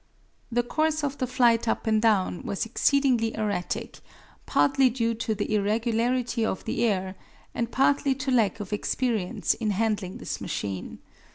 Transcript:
The course of the flight up and down was exceedingly erratic, partly due to the irregularity of the air, and partly to lack of experience in handling this machine.